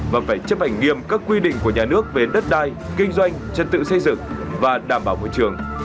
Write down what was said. và phải chấp hành nghiêm các quy định của nhà nước về đất đai kinh doanh chất tự xây dựng và đảm bảo môi trường